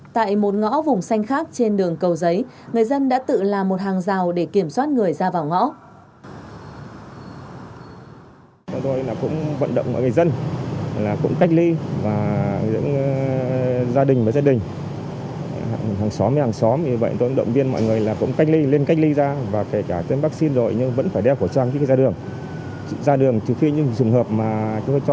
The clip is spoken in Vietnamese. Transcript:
tại một ngõ vùng xanh khác trên đường cầu giấy người dân đã tự làm một hàng rào để kiểm soát người ra vào ngõ